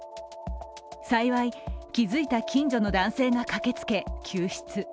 幸い、気づいた近所の男性が駆けつけ救出。